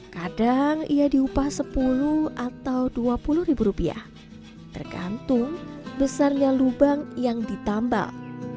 kadang ia diupah sepuluh atau dua puluh ribu rupiah tergantung besarnya lubang yang ditambal